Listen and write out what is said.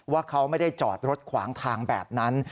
ว่าเขาไม่ได้จอดรถขวางทางแบบนั้น